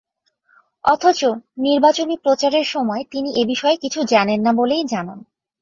অথচ নির্বাচনী প্রচারের সময় তিনি এ বিষয়ে কিছু জানেন না বলেই জানান।